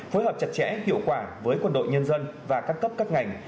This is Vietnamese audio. phối hợp chặt chẽ hiệu quả với quân đội nhân dân và các cấp các ngành